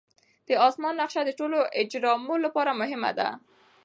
د اسمان نقشه د ټولو اجرامو لپاره مهمه ده.